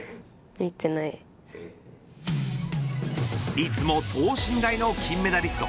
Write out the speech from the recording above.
いつも等身大の金メダリスト。